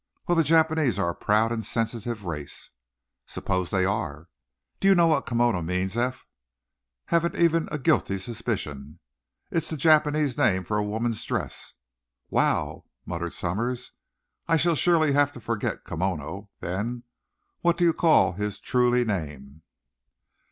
"Well, the Japanese are a proud and sensitive race. "Suppose they are?" "Do you know what 'Kimono' means, Eph?" "Haven't even a guilty suspicion." "It's the Japanese name for a woman's dress." "Wow!" muttered Somers. "I shall surely have to, forget 'Kimono,' then. What do you call his truly name?"